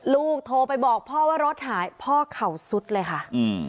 ลูกโทรไปบอกพ่อว่ารถหายพ่อเข่าซุดเลยค่ะอืม